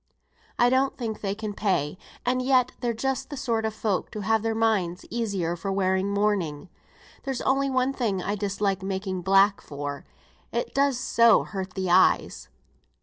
I don't think they can pay, and yet they're just the sort of folk to have their minds easier for wearing mourning. There's only one thing I dislike making black for, it does so hurt the eyes."